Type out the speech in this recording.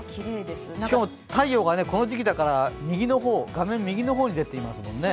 しかも太陽がこの時期だから画面の右の方に出ていますね。